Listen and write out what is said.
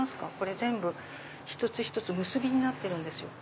全部一つ一つ結びになってるんです。